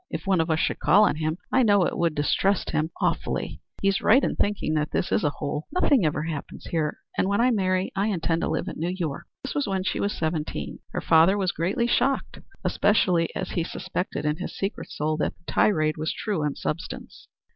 If one of us should call on him, I know it would distress him awfully. He's right in thinking that this is a hole. Nothing ever happens here, and when I marry I intend to live in New York." This was when she was seventeen. Her father was greatly shocked, especially as he suspected in his secret soul that the tirade was true in substance.